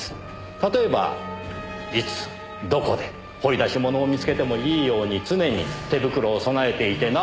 例えばいつどこで掘り出し物を見つけてもいいように常に手袋を備えていてなおかつ